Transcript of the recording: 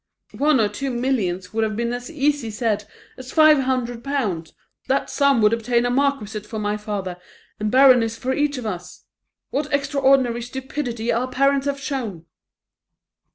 One or two millions would have been as easy said as five hundred pounds; that sum would obtain a marquisate for my father, and baronies for each of us. What extraordinary stupidity our parents have shown!"